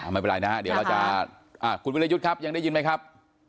ไม่เป็นไรนะฮะเดี๋ยวเราจะคุณวิรยุทธ์ครับยังได้ยินไหมครับ